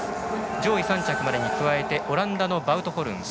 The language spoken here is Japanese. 上位３着までに加えてオランダのバウトホルン